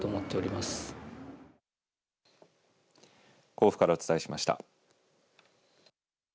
甲府からお伝えしました。